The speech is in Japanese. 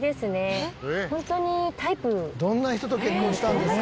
どんな人と結婚したんですか？